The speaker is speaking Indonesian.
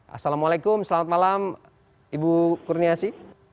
assalamualaikum selamat malam ibu kurniasi